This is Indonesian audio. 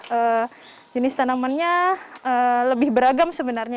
nah kalau yang outdoor jenis tanamannya lebih beragam sebenarnya